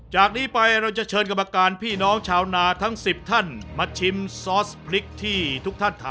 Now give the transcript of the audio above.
จากนี้ไปเราจะเชิญกรรมการพี่น้องชาวนาทั้ง๑๐ท่านมาชิมซอสพริกที่ทุกท่านทำ